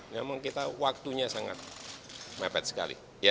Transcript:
memang kita waktunya sangat mepet sekali